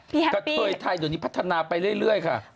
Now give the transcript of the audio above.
พี่แฮปปี้โดยนี้พัฒนาไปเรื่อยค่ะปีฮาปปี้